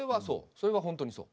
それは本当にそう。